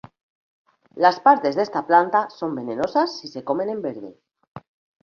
Las partes de esta planta son venenosas si se comen en verde.